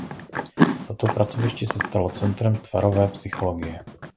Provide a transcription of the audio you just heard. Toto pracoviště se stalo centrem tvarové psychologie.